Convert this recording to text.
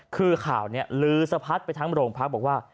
คือข่าวนี้ลือสะพัดไปทั้งโรงพักบอกว่า